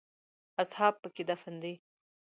اصحاب په کې دفن دي.